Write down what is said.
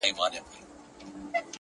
د پلرونو د نیکونو له داستانه یمه ستړی!!